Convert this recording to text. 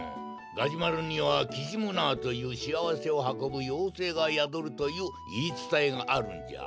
ガジュマルにはキジムナーというしあわせをはこぶようせいがやどるといういいつたえがあるんじゃ。